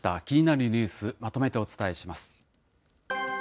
気になるニュース、まとめてお伝えします。